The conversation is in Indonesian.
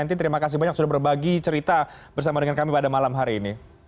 terima kasih banyak sudah berbagi cerita bersama dengan kami pada malam hari ini